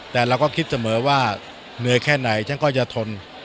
แต่เราก็คิดเสมอว่าเหนื่อยแค่ไหนฉันก็จะทน